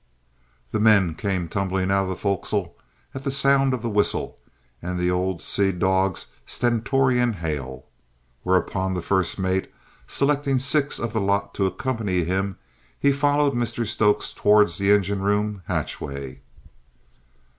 The men came tumbling out of the fo'c's'le at the sound of the whistle and the old seadog's stentorian hail; whereupon the first mate, selecting six of the lot to accompany him, he followed Mr Stokes towards the engine room hatchway.